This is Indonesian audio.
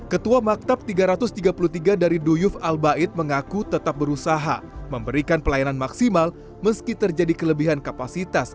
ketua maktab tiga ratus tiga puluh tiga dari duyuf al baid mengaku tetap berusaha memberikan pelayanan maksimal meski terjadi kelebihan kapasitas